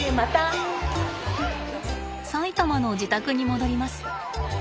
埼玉の自宅に戻ります。